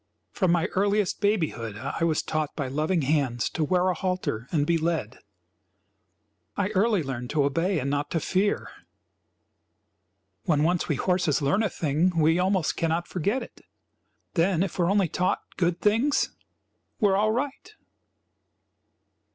From my earliest babyhood I was taught by loving hands to wear a halter and be led. I early learned to obey and not to fear. When once we horses learn a thing we almost cannot forget it; then, if we are only taught good things, we are all right.